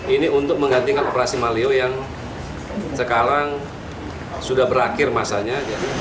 ini untuk menggantikan operasi malio yang sekarang sudah berakhir masanya